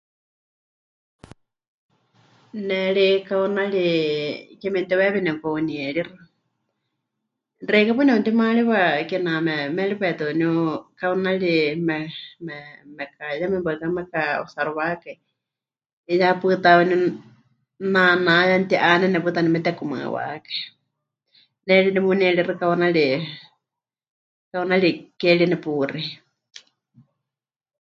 Ne ri kaunari ke memɨteuweewi nepɨka'unieríxɨ, xeikɨ́a paɨ nepɨtimaariwa kename méripai tɨ waníu kaunari me... me... meka... yeme waɨká meka'usaruwákai, 'iyá pɨta waaníu, naaná ya mɨti'ánene pɨta waníu metekumaɨwákai. Ne ri nemunieríxɨ kaunari, kaunari ke ri nepuxei.